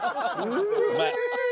うまい。